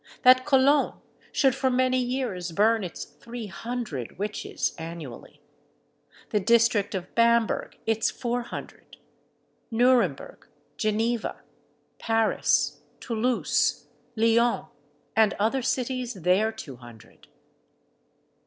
that Cologne should for many years burn its three hundred witches annually? the district of Bamberg its four hundred? Nuremberg, Geneva, Paris, Toulouse, Lyons, and other cities, their two hundred?